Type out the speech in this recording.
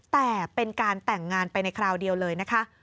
แต่เป็นการแต่งงานไปในคราวเดียวเลยนะคะ